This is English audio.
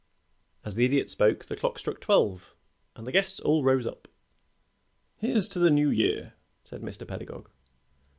As the Idiot spoke the clock struck twelve, and the guests all rose up. "Here's to the New Year!" said Mr. Pedagog.